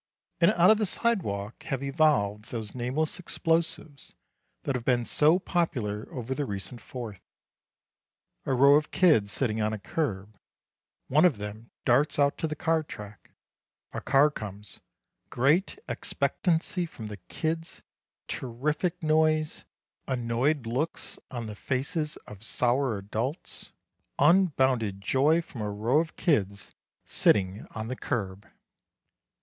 And out of the sidewalk have evolved those nameless explosives that have been so popular over the recent Fourth. A row of kids sitting on a curb, one of them darts out to the car track, a car comes, great expectancy from the kids, terrific noise, annoyed looks on the faces of sour adults, unbounded joy from a row of kids sitting on the curb.